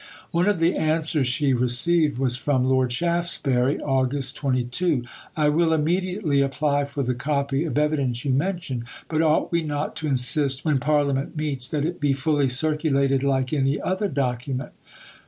One of the answers she received was from Lord Shaftesbury (Aug. 22): "I will immediately apply for the copy of evidence you mention, but ought we not to insist when Parliament meets that it be fully circulated like any other document?